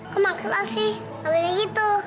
kemaksa sih abis itu